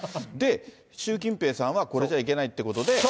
で、習近平さんは、これじゃいけないってことで。